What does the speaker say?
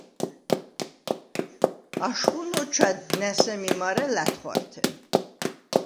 აშხუნ ოჩვა̈დდ ნა̈ სემი მარე ლა̈თხვართე.